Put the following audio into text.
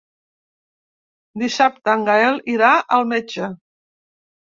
Dissabte en Gaël irà al metge.